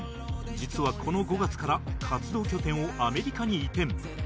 実はこの５月から活動拠点をアメリカに移転